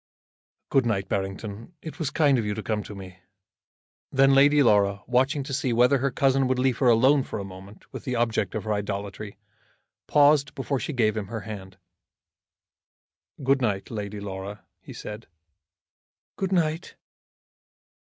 "Good night, Barrington. It was kind of you to come to me." Then Lady Laura, watching to see whether her cousin would leave her alone for a moment with the object of her idolatry, paused before she gave him her hand. "Good night, Lady Laura," he said. "Good night!"